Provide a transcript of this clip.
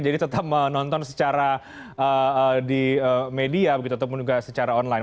jadi tetap menonton secara di media begitu tetap juga secara online